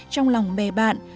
trong lòng bè bạn